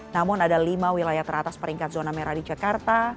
namun ada lima wilayah teratas peringkat zona merah di jakarta